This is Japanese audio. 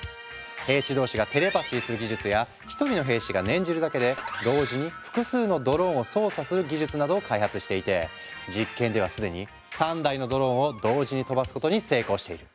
兵士同士がテレパシーする技術や１人の兵士が念じるだけで同時に複数のドローンを操作する技術などを開発していて実験ではすでに３台のドローンを同時に飛ばすことに成功している。